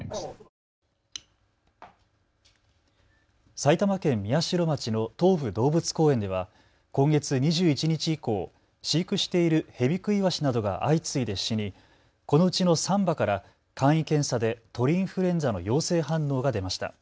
埼玉県宮代町の東武動物公園では今月２１日以降、飼育しているヘビクイワシなどが相次いで死に、このうちの３羽から簡易検査で鳥インフルエンザの陽性反応が出ました。